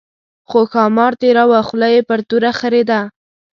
خو ښامار تېراوه خوله یې پر توره خرېده.